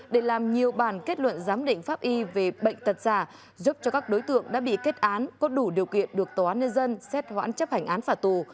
để làm nhiều bản kết luận giám đỉnh pháp y về bệnh tật giả giúp cho các đối tượng đã bị kết án có đủ điều kiện được tòa nơi dân xét hoãn chấp hành án phả tù